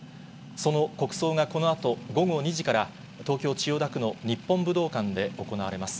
その国葬がこのあと午後２時から東京・千代田区の日本武道館で行われます。